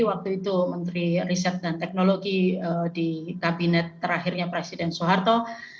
waktu itu menteri riset dan teknologi di kabinet terakhirnya presiden soeharto